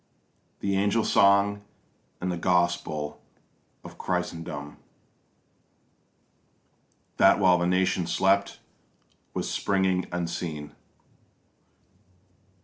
The angel song and the gospel of Christendom, That while the nation slept was springing unseen.